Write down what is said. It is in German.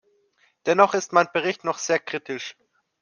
Dennoch ist mein Bericht noch sehr kritisch.